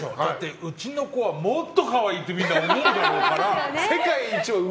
うちの子はもっとかわいいってみんな思うでしょうから。